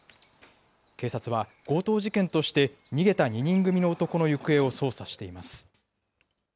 警察は、強盗事件として逃げた２人組の行方を捜査しています。